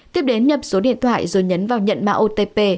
tiếp đến nhập số điện thoại rồi nhấn vào nhận mạng otp